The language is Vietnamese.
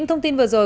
hẹn gặp lại